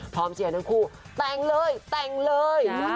เชียร์ทั้งคู่แต่งเลยแต่งเลย